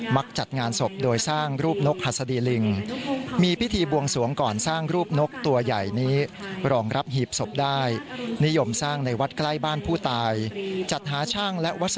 มักจัดงานศพโดยสร้างรูปนกหัสดิลิง